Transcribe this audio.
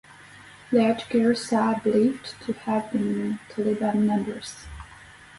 The attackers are believed to have been Taliban members.